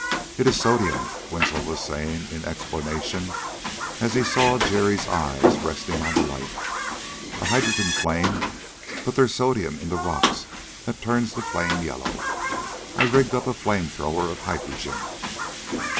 "It is sodium," Winslow was saying in explanation, as he saw Jerry's eyes resting on the light. "A hydrogen flame, but there's sodium in the rocks that turns the flame yellow. I rigged up a flame thrower of hydrogen."